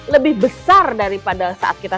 lebih besar daripada saat kita